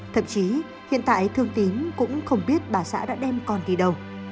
thậm chí hiện tại thương tín cũng không biết bà xã đã đem con đi đầu